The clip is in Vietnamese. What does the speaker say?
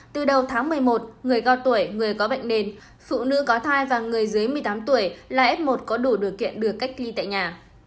từ đầu tháng một mươi một người cao tuổi người có bệnh nền phụ nữ có thai và người dưới một mươi tám tuổi là f một có đủ điều kiện được cách ly tại nhà